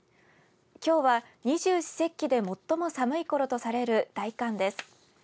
きょうは二十四節気で最も寒いころとされる大寒です。